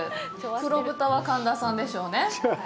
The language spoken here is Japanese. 黒豚は神田さんでしょうね。